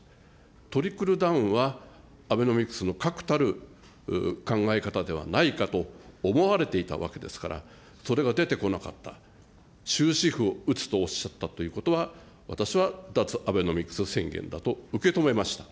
トリクルダウンは、アベノミクスのかくたる考え方ではないかと思われていたわけですから、それが出てこなかった、終止符を打つとおっしゃったということは、私は脱アベノミクス宣言だと受け止めました。